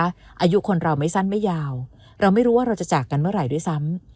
อายุคนเราไม่สั้นไม่ยาวเราไม่รู้ว่าเราจะจากกันเมื่อไหร่ด้วยซ้ำ